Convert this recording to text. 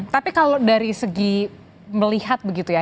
tapi kalau dari segi melihat begitu ya